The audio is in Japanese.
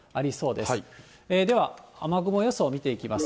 では雨雲予想、見ていきます。